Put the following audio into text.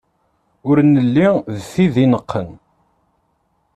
Ur nelli d tid ineqqen.